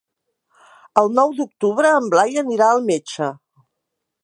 El nou d'octubre en Blai anirà al metge.